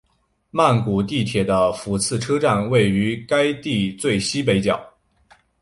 曼谷地铁的挽赐车站位于该区最西北角。